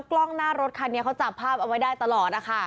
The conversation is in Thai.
กล้องหน้ารถคันนี้เขาจับภาพเอาไว้ได้ตลอดนะคะ